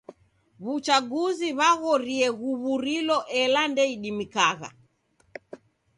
W'uchaguzi w'aghorie ghuw'uriloela ndeidimikagha.